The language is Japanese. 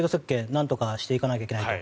なんとかしていかないといけないと。